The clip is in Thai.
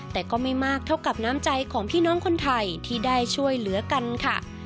แต่ก็ไม่มากเท่ากับน้ำใจของพี่น้องคนไทยที่ได้ช่วยเหลือกันค่ะ